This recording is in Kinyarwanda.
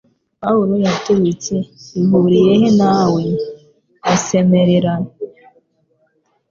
Pawulo yaturitse 'Bihuriye he nawe?' asemerera